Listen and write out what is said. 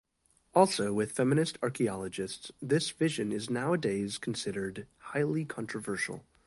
Also with feminist archaeologists this vision is nowadays considered highly controversial.